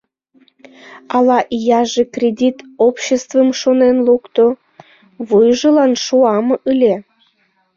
Ала ияже кредит обществым шонен лукто — вуйжылан шуам ыле!..